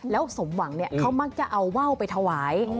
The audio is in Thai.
แล้วสมหวังเนี่ยเขามักจะเอาว่าวไปถวาย